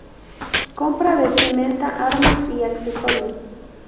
Compra vestimenta, armas y accesorios.